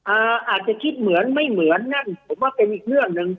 อาจจะคิดเหมือนไม่เหมือนนั่นผมว่าเป็นอีกเรื่องหนึ่ง